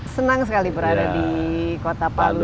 senang sekali berada di kota palu